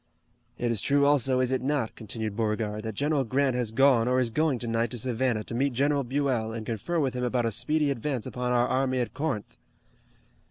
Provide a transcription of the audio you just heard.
"It is true also, is it not," continued Beauregard, "that General Grant has gone or is going tonight to Savannah to meet General Buell, and confer with him about a speedy advance upon our army at Corinth?"